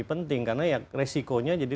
penting karena ya resikonya jadi